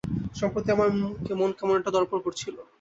সম্প্রতি আমার মন কেমন একটা দড়পড় করছিল।